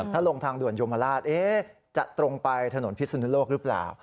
ถ้าลงทางด่วนโยมราชจะตรงไปถนนพิศนุโลกหรือเปล่า